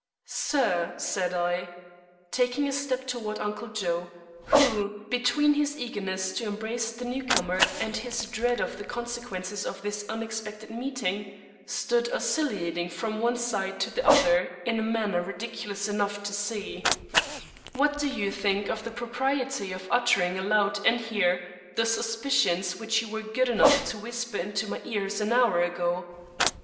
"Sir," said I, taking a step toward Uncle Joe, who, between his eagerness to embrace the new comer and his dread of the consequences of this unexpected meeting, stood oscillating from one side to the other in a manner ridiculous enough to see, "what do you think of the propriety of uttering aloud and here, the suspicions which you were good enough to whisper into my ears an hour ago?